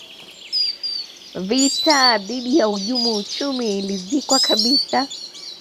vita dhidi ya wahujumu uchumi ilizikwa kabisa